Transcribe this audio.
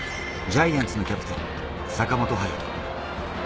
ジャイアンツのキャプテン・坂本勇人。